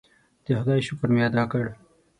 د خدای شکر مې ادا کړ.